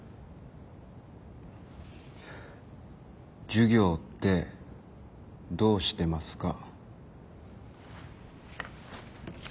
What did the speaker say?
授業ってどうしてますか？